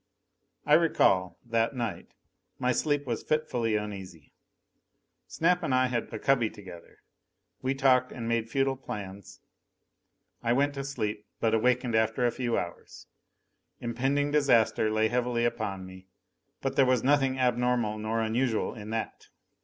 I recall, that night, my sleep was fitfully uneasy. Snap and I had a cubby together. We talked, and made futile plans. I went to sleep, but awakened after a few hours. Impending disaster lay heavily upon me. But there was nothing abnormal nor unusual in that!